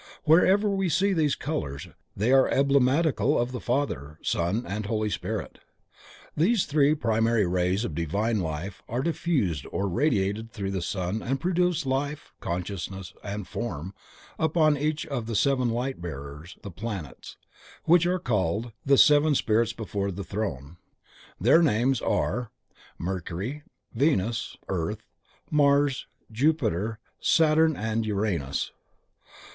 Wherever we see these colors they are emblematical of the Father, Son and Holy Spirit. These three primary rays of divine Life are diffused or radiated through the sun and produce Life, Consciousness and Form upon each of the seven light bearers, the planets, which are called "the Seven Spirits before the Throne." Their names are: Mercury, Venus, Earth, Mars, Jupiter, Saturn and Uranus.